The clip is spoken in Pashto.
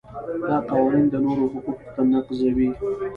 دا قوانین د نورو حقوق نقضوي.